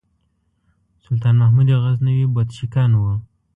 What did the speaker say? سلطان محمود غزنوي بُت شکن و.